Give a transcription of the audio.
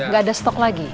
gak ada stok lagi